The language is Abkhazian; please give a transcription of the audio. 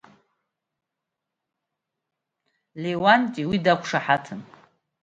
Леуанти уи диқәшаҳаҭын.